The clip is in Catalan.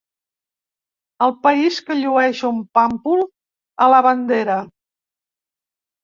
El país que llueix un pàmpol a la bandera.